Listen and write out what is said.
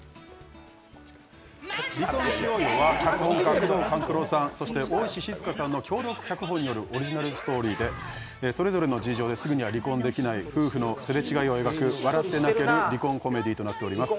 「離婚しようよ」は脚本家・宮藤官九郎さん、大石静さんの共同脚本によるオリジナルストーリーでそれぞれの事情ですぐには離婚できない夫婦のすれ違いを描く笑って泣ける離婚コメディーとなっております。